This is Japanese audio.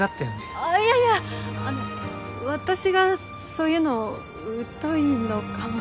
あっいやいやあの私がそういうの疎いのかも。